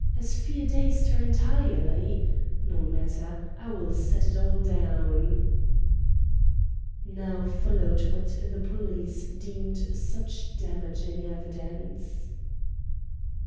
Has fear dazed her entirely? No matter, I will set it all down." Now followed what the police deemed such damaging evidence.